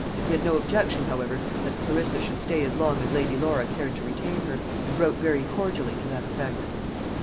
He had no objection, however, that Clarissa should stay as long as Lady Laura cared to retain her, and wrote very cordially to that effect.